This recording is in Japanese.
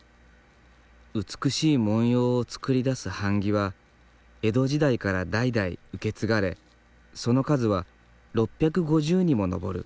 美しい文様を作り出す版木は江戸時代から代々受け継がれその数は６５０にも上る。